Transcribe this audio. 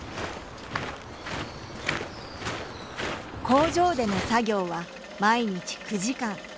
工場での作業は毎日９時間。